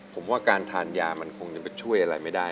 ผมว่าการทานยามันคงจะไปช่วยอะไรไม่ได้